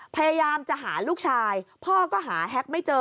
พยายามจะหาลูกชายพ่อก็หาแฮ็กไม่เจอ